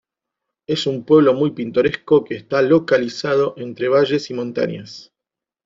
Es un pueblo muy pintoresco que está localizado entre valles y montañas.